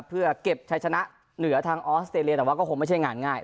เพื่อเก็บใช้ชนะเหนือทางออสเตรเลียแต่ว่าก็คงไม่ใช่งานง่าย